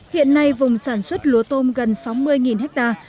hiện nay vùng sản xuất lúa tôm gần sáu mươi hectare